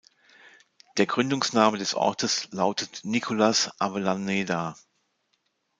Der Gründungsname des Ortes lautete "Nicolás Avellaneda".